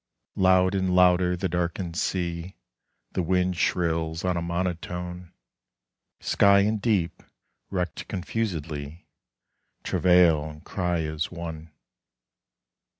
Loud and louder the darkened sea. The wind shrills on a monotone. Sky and deep, wrecked confusedly, Travail and cry as one.